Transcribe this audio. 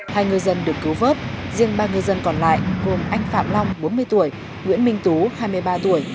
hai ngư dân được cứu vớt riêng ba ngư dân còn lại gồm anh phạm long bốn mươi tuổi nguyễn minh tú hai mươi ba tuổi